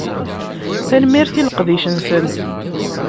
Tanemmirt i leqdic-nsen.